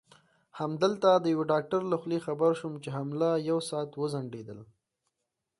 همدلته د یوه ډاکټر له خولې خبر شوم چې حمله یو ساعت وځنډېدل.